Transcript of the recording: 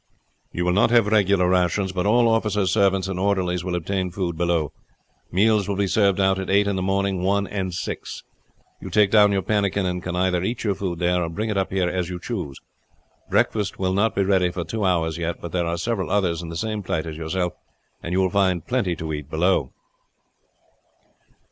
"You will not have regular rations, but all officers' servants and orderlies will obtain food below. Meals will be served out at eight in the morning, one, and six. You take down your pannikin, and can either eat your food there or bring it up here as you choose. Breakfast will not be ready for two hours yet; but there are several others in the same plight as yourself, and you will find plenty to eat below."